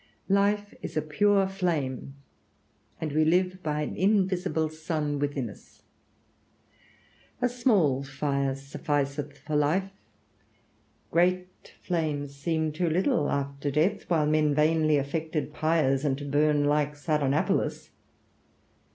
Life is a pure flame, and we live by an invisible sun within us. A small fire sufficeth for life; great flames seemed too little after death, while men vainly affected pyres, and to burn like Sardanapalus.